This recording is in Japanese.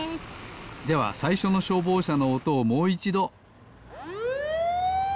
ではさいしょのしょうぼうしゃのおとをもういちど。